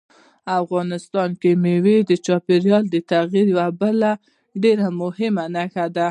افغانستان کې مېوې د چاپېریال د تغیر یوه بله ډېره مهمه نښه ده.